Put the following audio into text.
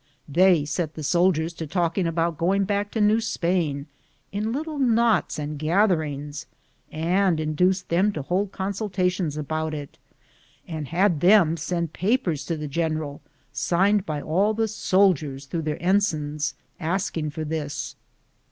They set the sol diers to talking about going back to New Spain, in little knots and gatherings, and induced them to hold consultations about it, and had them send papers to the general, signed by all the soldiers, through their en signs, asking for this.